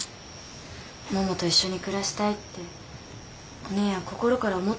ももと一緒に暮らしたいってお姉やん心から思ってるよ。